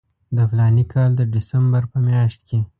د فلاني کال د ډسمبر په میاشت کې.